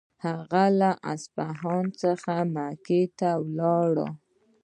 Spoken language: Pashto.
هغه له اصفهان څخه مکې ته ولاړ.